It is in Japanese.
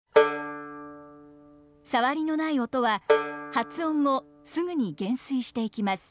サワリのない音は発音後すぐに減衰していきます。